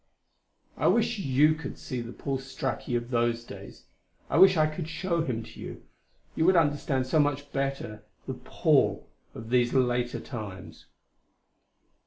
I wish you could see the Paul Straki of those days. I wish I could show him to you; you would understand so much better the "Paul" of these later times.